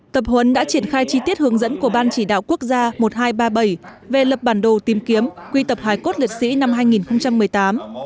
tập huấn đã triển khai chi tiết hướng dẫn của ban chỉ đạo quốc gia một nghìn hai trăm ba mươi bảy về lập bản đồ tìm kiếm quy tập hải cốt liệt sĩ năm hai nghìn một mươi tám